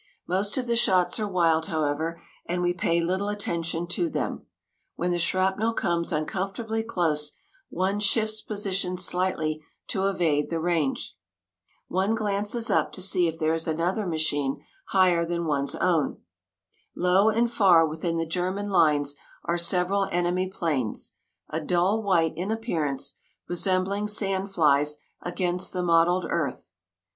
Most of the shots are wild, however, and we pay little attention to them. When the shrapnel comes uncomfortably close, one shifts position slightly to evade the range. One glances up to see if there is another machine higher than one's own. Low and far within the German lines are several enemy planes, a dull white in appearance, resembling sand flies against the mottled earth.